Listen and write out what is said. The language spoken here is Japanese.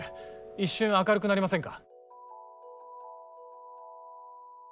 一瞬明るくなりませんか？